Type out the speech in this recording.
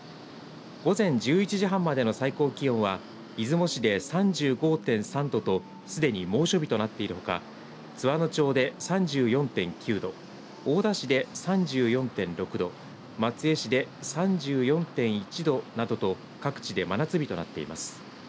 午前１１時半までの最高気温は出雲市で３５．３度とすでに猛暑日となっているほか津和野町で３４．９度大田市で３４．６度松江市で３４．１度などと各地で真夏日となっています。